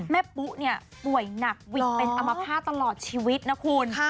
ปุ๊เนี่ยป่วยหนักหวิดเป็นอมภาษณตลอดชีวิตนะคุณ